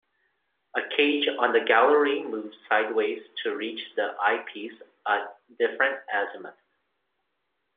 A cage on the gallery moves sideways to reach the eyepiece at different azimuth.